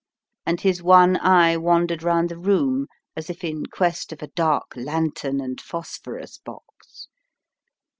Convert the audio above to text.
" and his one eye wandered round the room, as if in quest of a dark lantern and phosphorus box.